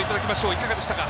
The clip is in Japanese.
いかがでしたか。